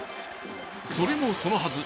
それもそのはず。